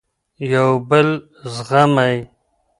یو بل زغمئ.